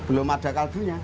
belum ada kaldunya